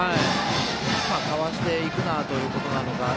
かわしていくなということなのか